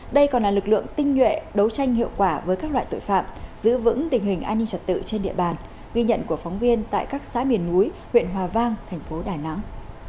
đây còn là lực lượng tinh nhuệ đấu tranh hiệu quả với các loại tội phạm giữ vững tình hình an ninh trật tự trên địa bàn ghi nhận của phóng viên tại các xã miền núi huyện hòa vang thành phố đà nẵng